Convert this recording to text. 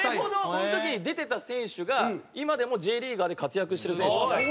その時に出てた選手が今でもＪリーガーで活躍してる選手なんですよ。